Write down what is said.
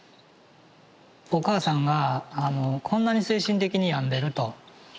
お母さんがこんなに精神的に病んでると。